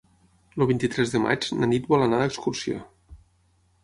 El vint-i-tres de maig na Nit vol anar d'excursió.